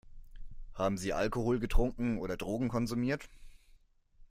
Haben Sie Alkohol getrunken oder Drogen konsumiert?